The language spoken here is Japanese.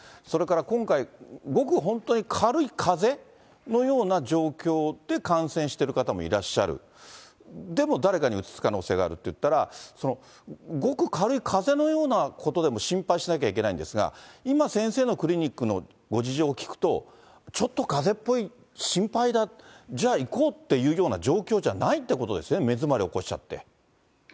それから今回、ごく本当に、軽いかぜのような状況で感染してる方もいらっしゃる、でも誰かにうつす可能性があるっていったら、ごく軽いかぜのようなことでも心配しなきゃいけないんですが、今、先生のクリニックのご事情を聞くと、ちょっとかぜっぽい、心配だ、じゃあ、行こうっていうような状況じゃないってことですね、目詰まり起こしちゃって。